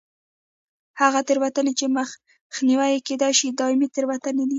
هغه تېروتنې چې مخنیوی یې کېدای شي دایمي تېروتنې دي.